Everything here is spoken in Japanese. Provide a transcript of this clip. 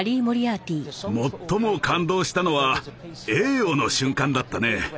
最も感動したのは「エーオ」の瞬間だったね。